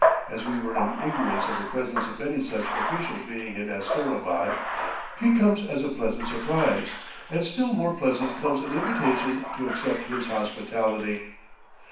As we were in ignorance of the presence of any such official being in Asterabad, he comes as a pleasant surprise, and still more pleasant comes an invitation to accept his hospitality.